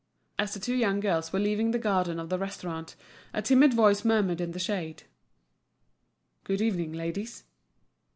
As the two young girls were leaving the garden of the restaurant, a timid voice murmured in the shade: "Good evening, ladies."